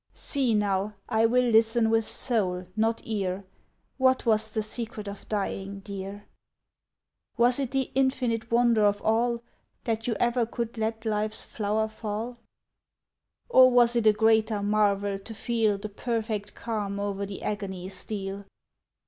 "See now; I will listen with soul, not ear; What was the secret of dying, dear? "Was it the infinite wonder of all That you ever could let life's flower fall? "Or was it a greater marvel to feel The perfect calm o'er the agony steal?